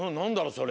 それ。